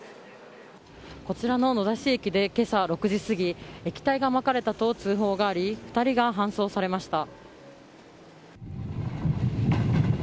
こちらの野田市駅で今朝６時過ぎ液体がまかれたと通報があり２人が搬送されました。